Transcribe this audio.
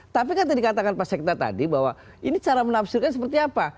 tapi kan tadi katakan pak sekta tadi bahwa ini cara menafsirkan seperti apa